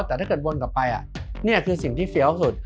แต่ถ้าเกิดวนกลับไปนี่คือสิ่งที่เฟี้ยวสุด